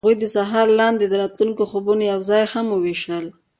هغوی د سهار لاندې د راتلونکي خوبونه یوځای هم وویشل.